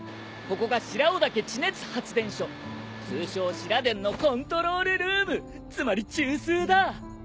ここが白尾竹地熱発電所通称シラデンのコントロールルームつまり中枢だ！